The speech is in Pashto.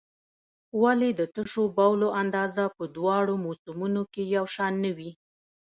ولې د تشو بولو اندازه په دواړو موسمونو کې یو شان نه وي؟